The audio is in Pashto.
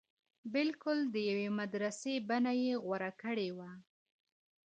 بلکل د يوې مدرسې بنه يې غوره کړې وه.